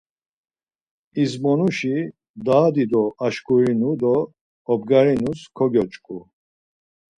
İzmonuşi daha dido aşkurinu do obgarinus kogyoç̌ǩu.